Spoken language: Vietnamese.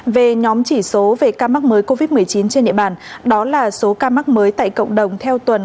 về nhóm chỉ số về ca mắc mới covid một mươi chín trên địa bàn đó là số ca mắc mới tại cộng đồng theo tuần